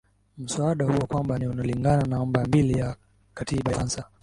musuada huo kwamba ni unalingana namba mbili ya katiba ya ufaransa